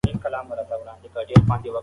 حساسيت د ژبې پرمختګ خنډ دی.